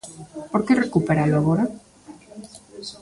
Por que recuperalo agora?